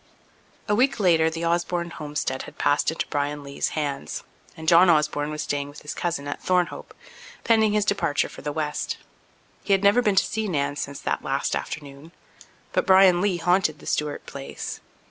A week later the Osborne homestead had passed into Bryan Lee's hands and John Osborne was staying with his cousin at Thornhope, pending his departure for the west. He had never been to see Nan since that last afternoon, but Bryan Lee haunted the Stewart place.